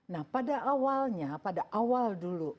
nah pada awalnya pada awal dulu